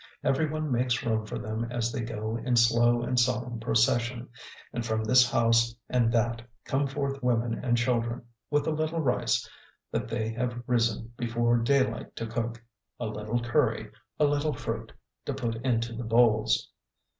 Everyone makes room for them as they go in slow and solemn procession, and from this house and that come forth women and children with a little rice that they have risen before daylight to cook, a little curry, a little fruit, to put into the bowls.